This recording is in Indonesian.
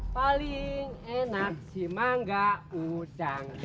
paling enak si mangga udang